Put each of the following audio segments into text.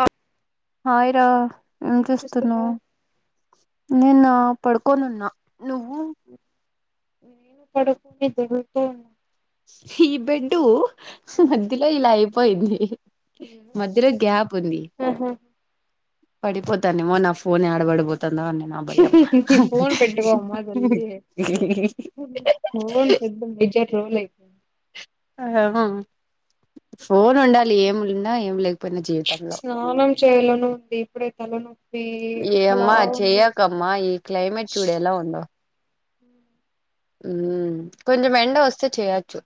ఆ హాయిరా ఏం చేస్తున్నా నేనా పడుకోనీ ఉన్నా నువ్వు నేను పడుకోని దొర్లుతూ ఉన్నా ఛీ బెడ్డు మధ్యలో ఇలా అయిపోయింది మధ్యలో గ్యాప్ ఉంది పడిపోతానేమో న్ఫ ఫోన్ ఏడబడిపోతుందా అని నా భయం ఈ ఫోన్ పెట్టుకోమ్మా ఫోను పెద్ద మేజర్ రోల్ అయిపోయిం ఫోన్ ఉండాలి ఏం ఉన్నా ఏం లేకు స్నానం చేయలోన ఉంది ఇప్పుడే తలనొప్పి హలో ఏమ్మా చెయ్యకమ్మా ఈ క్లైమేట్ చూడు హ్మ్ కొంచం ఎండ వస్తే చేయచ్చు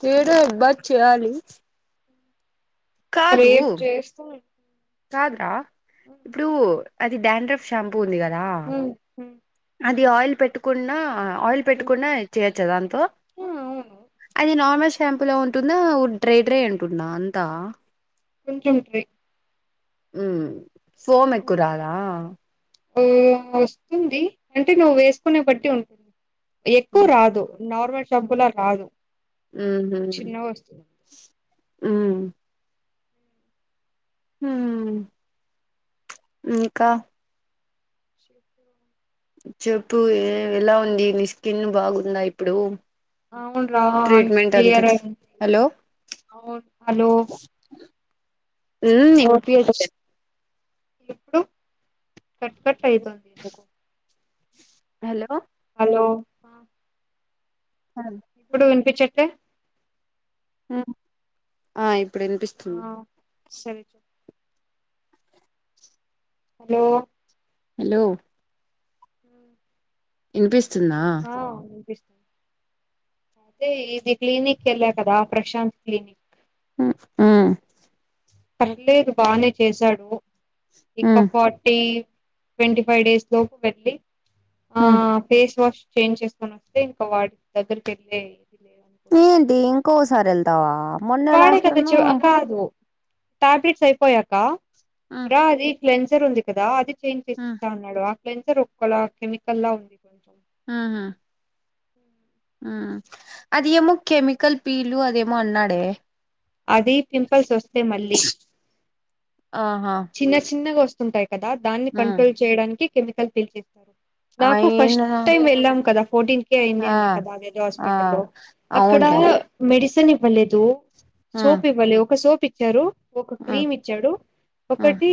కుదరదు బట్ చేయాలి కాదు రేపు చేస్తా కాదురా ఇప్పుడు అది డాండ్రఫ్ షాంపూ ఉంది కదా అది ఆయిల్ పెట్టుకున్న ఆయిల్ పెట్టుకున్న చేయోచ్చా దానితో అవును అది నార్మల్ షా షాంపూలా ఉంటుందా డ్రై డ్రై ఉంటుందా అంతా ఉంటుంది హ్మ్ ఫోమె ఎక్కువ రాదా హ్మ్ వస్తుంది అంటే నువ్వు వేసుకునే బట్టి ఉంటుంది ఎక్కువ ఉహు రాదు నార్మల్ షాంపూ లా రాదు ఊహూ చిన్నగా వస్తుంది హ్మ్ హ్మ్ ఇంకా చెప్పు ఏ ఎలా ఉంది నీ స్కిన్ బాగుందా ఇప్పుడు అవును రా అంత క్లియర్ అ హలో అవును హలో [unintelligible] ఇప్పుడు కట్ కట్ అయితుంది ఎందుకు హలో హలో ఇప్పుడు వినిపించట్లే ఆ ఇప్పుడు ఆ వినిపిస్తుంది సరే చెప్పు. హలో హలో హ వినిపిస్తుందా అదే ఇది క్లీనిక్ కి ఎల్లా కదా ప్రశాంత్ క్లినిక్ హ్మ్ పర్లేదు బానే చేశాడు ఇంకా ఉమ్ ఫార్టీ ట్వంటీ ఫైవ్ డేస్ లోపు వెళ్ళి ఆ ఫేస్ వాష్ చేంజ్ చేసుకొని వస్తే ఇంకా వాడి దగ్గరికేళ్ళి ఏంటి ఇంకోసారి వెళ్తావా మొన్నే లాస్ట్ వాడేకద చ్ అన్నావ్ కాదు టాబ్లిట్స్ అయిపోయాక మ్ రా అది క్లెన్సర్ ఉంది కదా అది చేంజ్ చేసి మ్ ఇస్తా ఉన్నాడు ఆ క్ెన్సర్ ఒక్క కెమికల్ లా ఉంది కొంచెం ఆహా మ్ అది ఏమో కెమికల్ పీలు అదేమో అన్నాడే అది పింపుల్స్ వస్తే మళ్ళీ ఆహా చిన్న చిన్నగా వస్తుంటాయి కదా దాన్ని మ్ కంట్రోల్ చేయడానికి కెమికల్ పేల్చిస్తారు నాకు ఫస్ట్ అయినా టైమ్ వెళ్ళాం కదా ఫోర్టీన్ కే ఆ అయిందన్న కదా వేరే ఆ హాస్పిటల్లో అక్కడ్ డ అవునులే మెడిసిన్ ఇవ్వలేదు మ్ సోప్ ఇవ్వలే ఒక సోప్ ఇచ్చారు ఒక మ్ క్రీమ్ ఇచ్చాడు మ్ ఒకటి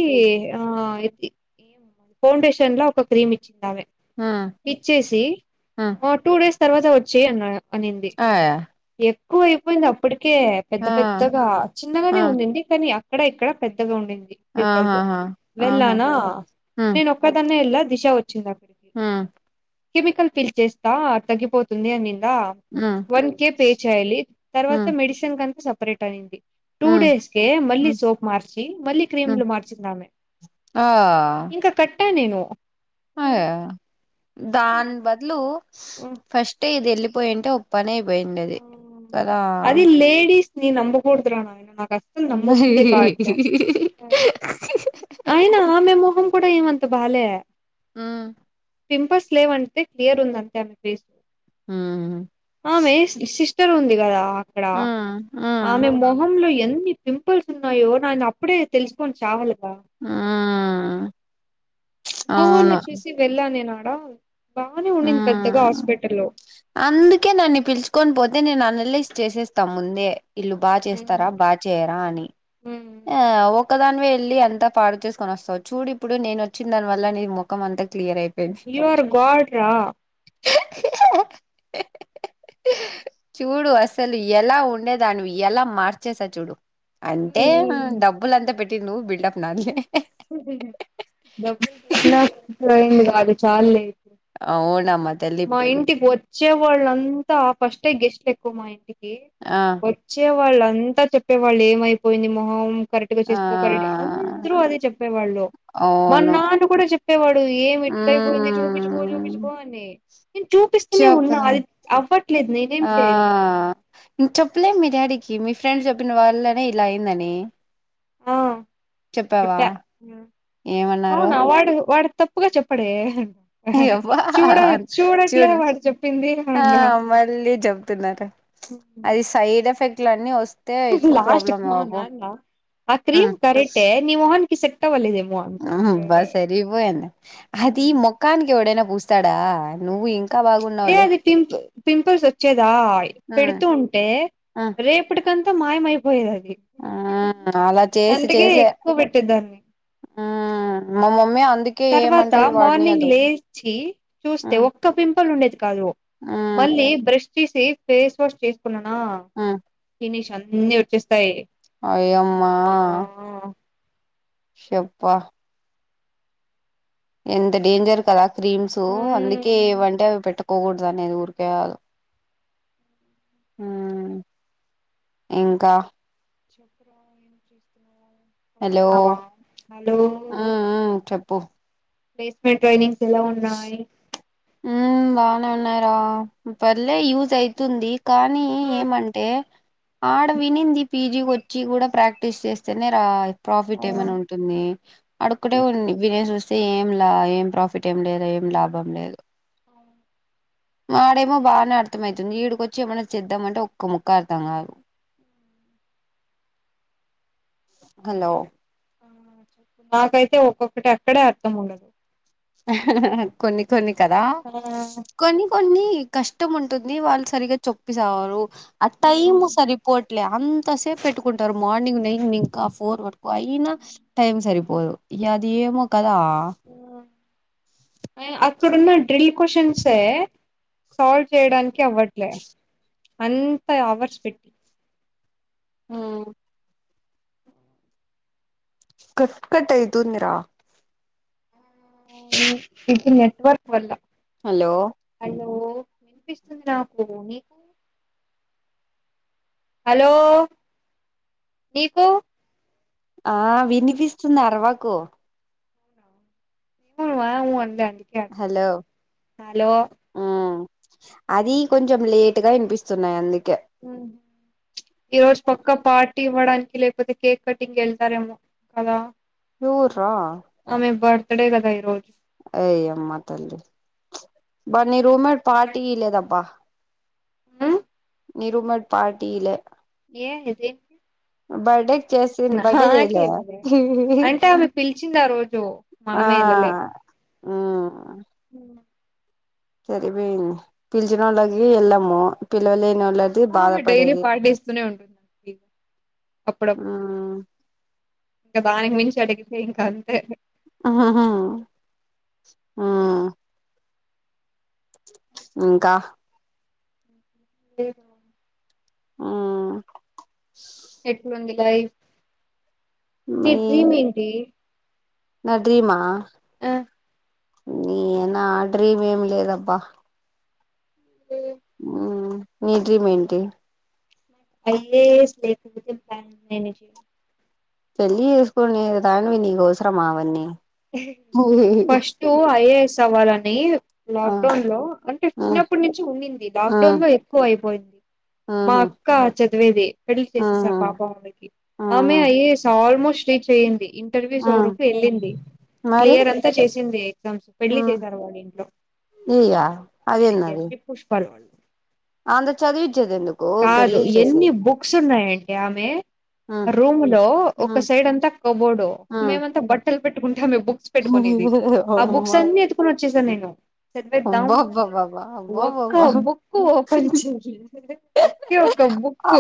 ఆ ఇ ఫౌండేషన్ ల ఒక క్రీమ్ ఇచ్చింది ఆమె ఆ ఆ టూ డేస్ తర్వాత వచ్చేయ్ అన్ అనింది ఆయా ఎక్కువైపోయింది అప్పటికే ఆ పెద్ద పెద్దగా ఆ చిన్నగానే ఉండింది కానీ అక్కడ ఇక్కడ పెద్దగా ఉండింది పింపుల్స్ ఆహాహా ఆహా వెళ్ళానా మ్ నేను ఒక్కదన్నే వెళ్ళ దిశ వచ్చింది అక్కడికి మ్ కెమికల్ ఫిల్ చేస్తా తగ్గిపోత్ తుంది అన్నిందా మ్ వన్ కే పే చేయాలి మ్ తర్వాత మెడిసిన్ కంతా సపరేట్ అనింది టూ మ్ డేస్కే మళ్ళీ మ్ సోప్ మార్చి మళ్ళీ మ్ క్రీములు మార్చిందామే ఆ ఇంకా కట్టా నేను అ దాని బదులు ఫస్ట్ ఇది వెళ్ళిపోయింటే పనైపోయిండేది కదా న్ని నమ్మకూడదురా నాయన నాక్ అస్సలు నమ్మబుద్దె మ్మ్ కావట్లే అయినా ఆమె మొహం కూడా ఏమంత్ త భాలే ఆ పింపుల్స్ లేవంటే క్లియర్ ఉందంతే ఆమె ఫేస్ ఆమె మ్ సిస్టర్ ఉంది కదా అక్కడ ఆమె మ్మ్ మొహ లో ఎన్ని పింపుల్స్ ఉన్నాయో నినప్పుడే తెలుసుకోొని చావలే ఆ గూగుల్ని చూసి వెళ్ళా నేను ఆడా ఆ అందుకే నన్ను పిలుచుకొని పోతే నేను అనలైస్ చేసేస్తా ముందే ఇల్లు బా చేస్తారా బా చేయరా అని ఆ ఓ క్కాదానివే వెళ్ళి అంత పాడు చేసుకోని వస్తావ్ చూడు ఇప్పుడు నేను వచ్చిన దాని వల్ల నీ ముఖమంత క్రియరై యూ ఆర్ గడ్ రా చూడు అసలు ఎలా ఉండేదానివి ఎలా మార్చేసా చూడు అంటే డబ్బులంతా పెట్టింది నువ్వు బిల్డప్ నాదిలే డబ్బులు అయింది కాదు చాలుళ్ళే అవునమ్మ తల్లి మా ఇంటికోచ్చే వాళ్ళంతా ఫస్ట్ే గెస్ట్ ఎక్కువ మా ఇంటికి ఆ వచ్చే వాళ్ళం తా చెప్పేవాళ్ళు ఏమైపోయింది మొహం కరెక్ట్ గా ఆ చేసుకో కరెక్ అందరూ అదే చెప్పేవాళ్ళు అవును మొన్నాడు కూడా చెప్పేవాడు ఏమి ఇట్లయిపోయింది చూపిచుకో చూపిచుకో మ్మ్ అని నేను చూపిస్త నే చెప్పు ఉన్నా అది అవ్వ ఆ ఇం చెప్పలే మీ డాడీకి మీ ఫ్రెండ్ చెప్పిన వాళ్ళనే ఇలా అయిందని ఆ చెప్పావా చెప్పా ఏమన్నారు ప్పుగా చెప్పడే యెబ్బ చూడ చూడట్లే చూడు వాడు చెప్పింది ఆ అన్నా మళ్ళీ చెపుతుందట అది సైడ్ ఎఫెక్ట్ల న్నీ వస్త లాస్ట్ కి మా నాన్న ఆ క్రీమ్ కరటే నీ మొహనికి సెట్ అవ్వలేదు ఏం ఆ బా సరిపోయింది అది మోకానికి ఎవడైనా పూస్ స్తడా నువు ఇంకా ఏ బాగున్నావులే అది పింపు పింపుల్స్ వచ్చేదా పెడుతూ ఉంటే రేపుటికంత మాయమైపోయేది అది ఆ అలా చేసి అందుకే చేసే ఎక్కువ పెట్టేదాన్ని ఆ మ మమ్మీ అ తర్వాత మార్నింగ్ లేచి చూస్తే ఒక్క పింపుల్ ఉండేది కాదు మళ్ళీ బ్రష్ చేసి ఫేస్ వాష్ చేసుకున్నానా ఫినిష్ అన్నిీ వచ్చేస్తాయి అయమ్మా ఆ షెబ్బ ఎంత డేంజర్ కదా క్రీమ్స్ అందుకే మ్ ఏవంటే అవి పెట్టక్ కోవద్దు అనేది ఊరికే కాదు మ్ ఇంకా చెప్పు రా ఏం చేస్తున్నావ్ హలో పడుకున్నావా మ్ హలో మ్ చెప్పు ప్లేస్మెంట్ ట్రైనింగ్స్ ఎలా ఉన్నాయి మ్మ్ బాగానే ఉన్నాయ్ రా పర్లే యూజ్ అయితుంది కానీ ఏమంటే ఆడ వినింది పీజీకి వచ్చి కూడా ప్రాక్టీస్ చేస్తేనే రా ఆ ప్రాఫిట్ ఏమైనా ఉంటుంది అడుక్కటే ఉండి వినేసి ఓస్ ఏం లా ఏం ప్రాఫిట్ ఏం లేదు ఏం లాభం లేదు ఆడేమో బానే అర్థమవుతుంది ఈడికొచ్చి ఏమన్నా చేద్దామంటే ఒక్క ముక్క అర్థం కాదు అ హలో నాకైతే ఒక్కొక్కటి అక్కడే అర్థం ఉండదు కొన్ని కొన్ని కదా కొన్ని కొన్ని కష్టం ఉంటుంది వాళ్ళు సరిగా చొప్పసేవారు ఆ టైం సరిపోట్లే అంత ంతసేపు పెట్టుకుంటారు మార్నింగ్ నైన్ ఇంకా ఫోర్ వరకు అయినా టైం సరి పోదు యది ఏమో కదా ఆ అక్కడున్న డ్రిల్ కొషన్స్ఏ సాల్వ్ చేయడానికి అవ్వట్లే అంతా ఆవర్స్ పెట్టి ఆ కట్ కట్టైతుందిరా ఇది నెట్వర్క్ వల్ల హలో హలో వినిపిస్తుంది నాకు నీకు హలో నీకు ఆ వినిపిస్తుంది అరవకు ఉఆవు అందాండ్ హలో ఉమ్ అది కొంచెం లేటుగా వినిపిస్ స్తున్నాయ్ అందు ఉమ్ ఈరోజు పక్క పాట్ టి ఇవ్వడానికి లేకపోతే కేక్ కటింగ్ వెళ్తారేమో కదా? ఎవుర్రా? క్కడే గదా ఈరోజు అయొమ్మా తల్లి ప్చ్ బా నీ రూమ్మేట్ పార్టీ ఈ లేదేబ్బా ఉమ్ నీ రూమ్మెడ్ పార్టీ ఈ లే ఏ ఏది బర్డేకి చేసింది బర్డే నాకే చేయలే కదా అంటే ఆమె పిల్చి ఆ ఊ సరిపేయింది పిలిచిన వాళ్ళకి వెళ్ళము పిలవలేని నోళ్ళకి ఆమె డైలీ బాధపడేది పార్టీ ఇస్తూనే ఉంటుంది నాకు అప్పుడప్పుడు ఆ ఇంకా దానికి మించి అడిగితే ఇంకా అంతే ఆహా ఆ ఇంకా? లేదు ఆ ఎట్లుంది గాయ్ నీ మీ డ్రీమ్ ఏంటి? నా డ్రీమా? అ నీ నా డ్రీమ్ ఏం లేదబ్బా మ్మ్ నీ డ్రీమ్ ఏంటి? ఐఏఎస్, లేకపోతే బ్యాంక్ ట్రైని కి పెళ్లి చేసుకునే దానివి నీకు అవసరమా అవన్నీ ఫస్టు ఐఏఎస్ అవ్వాలని ఆ లాక్ డౌన్ లో అంటే ఆ చిన్నప్పటి నుంచి ఉనింది ఆ లాక్ డౌన్ లో ఎక్కువ అయిపోయింది మా ఆహా అక్క చదివేది పెళ్లి చేసేసార్ ఆహా పాపం ఆమెకి ఆమె ఆహా ఐఏఎస్ ఆల్మోస్ట్ రీచ్ చేయండి ఇంటర్వ్యూస్ ఆ వరకు ఎళ్ళింది మరి క్లియర్ అంతా చేసింది ఎగ్జామ్సు పెళ్లి ఉమ్ చేసారు వాళ్ళు ఇంట్లో ఇగ అదేందది ఎన్ని పుష్పాలు అంత చదివచ్చేది ఎందుకు పెళ్లిళ్లు చేసేది అయితే ఆమె ఉమ్ రూమ్ లో ఒక ఉమ్ సైడ్ అంతా కబోర్డు ఉమ్ మేమంతా బట్టలు పెట్ ఆమె బుక్స్ పెట్టుకునేది ఆ బుక్స్ అమ్మా అన్నీ ఎత్తుకొని వచ్చేసా నేను చద్వేద్దాం అని అబ్బబ్బబ్బబ్బా ఒక్క అబ్బబ్బబ్బా బుక్ ఓపెన్ చేయలే ఒకే ఒక్క బుక్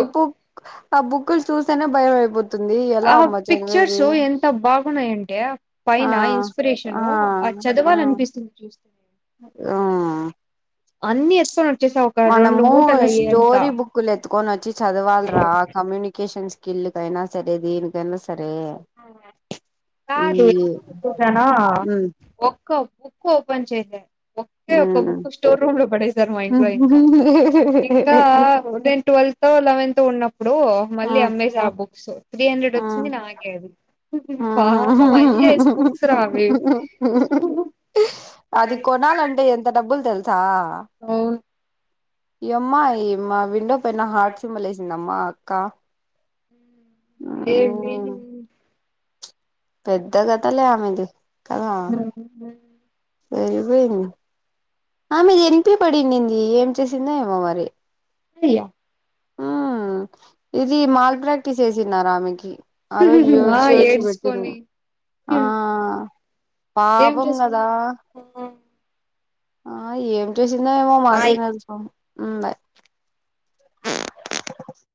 ఆ బుక్కులు చూస్తేనే భయం అయిపోతుంది ఎలా ఆ అమ్మ పిక్చర్స్ చదివేది ఎంత బాగున్నాయంటే ఆ పైన ఆ ఇన్స్పిరేషను ఆ చదవాలనిపిస్తుంది చూస్తే ఆ అన్నీ ఎత్ మనము స్టోరీ బుక్కులు ఎత్కొని వచ్చి చదవాల్ రా కమ్యూనికేషన్స్ కిల్లుకైనా సరే దీనికైనా స్ ఈ కాదు ఉంటానో ఉమ్ ఒక్క ఓపెన్ చేసార్ ఒకే ఒక ఉమ్ బుక్ స్టోర్ రూమ్ లో పడేసారు మా ఆ ఇంట్లో ఇంకా ఇంకా నేను ట్వెల్త్ లెవెన్త్ ఉన్నప్ ఇప్పుడు మళ్లీ అమ్మేశా ఆ బుక్స్ త్రీ హండ్రెడ్ ఆ వచ్చింది నాక్ ఆ పాపం ఐఏఎస్ బుక్స్ రా అవి [unintelligible] అది కొనాలంటే ఎంత డబ్బులు తెలుసా ఉ యమ్మయి మా విండో పైన హార్ట్ సిమ్బలేేసిందమ్మా అక్క ఉమ్ ఏమేసింది పెద్ద కథలే ఆమెది కదా ఉహు సరిపోయింది ఆమె ఎంపీపడినిది ఏం చేసిందో ఏమో మరి అయ్యా ఆ ఇది మాల్ ప్రాక్టీస్ చేసినారా ఆమెకి ఆ రోజు ఆ ఏడ్చి ఏడ్చి పెట్టింది ఏడ్చుకొని ఆ ఏం పాపం చేసుకున్నా కాదా ఆ ఏం చూసిందో ఏమో మాకేం తెలుసు ఉ బాయ్